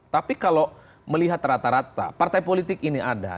tapi kalau melihat rata rata partai politik ini ada